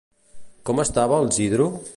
Com estava el Zidro?